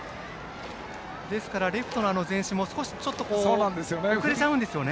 ですから、レフトの前進も少し遅れちゃうんですよね。